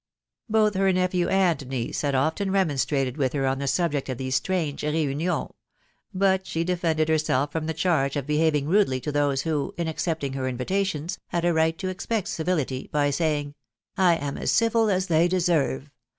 Both her nephew and niece had often remonstrated with her on the subject of these strange reunions; but she defended herself from the charge of behaving rudely to those who, in accepting her invitations, had a right to expect civility, by saying^ " I am as civil as they deserve.